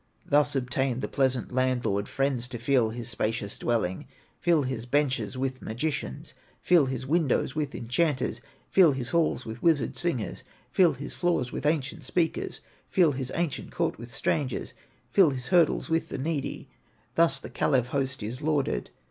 "Thus obtained the pleasant landlord Friends to fill his spacious dwelling, Fill his benches with magicians, Fill his windows with enchanters, Fill his halls with wizard singers, Fill his floors with ancient speakers, Fill his ancient court with strangers, Fill his hurdles with the needy; Thus the Kalew host is lauded.